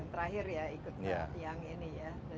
terakhir ya ikutkan tiang ini ya